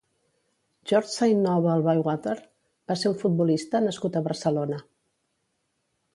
George Saint Noble Bywater va ser un futbolista nascut a Barcelona.